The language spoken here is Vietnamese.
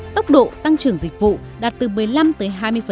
tốc độ tăng trưởng dịch vụ đạt từ một mươi năm tới hai mươi